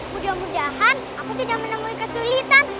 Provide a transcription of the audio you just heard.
mudah mudahan aku tidak menemui kesulitan